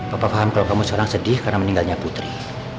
bapak paham kalau kamu sekarang sedih karena meninggalnya putri